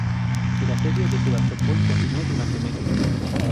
El asedio de Sebastopol continuó durante meses.